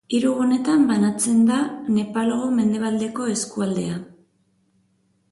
Hiru gunetan banatzen da Nepalgo Mendebaldeko eskualdea.